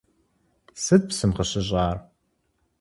Сыт псым къыщыщӀар?